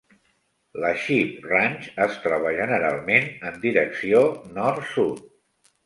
La Sheep Range es troba generalment en direcció nord-sud.